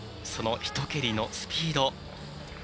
そのひと蹴りのスピード。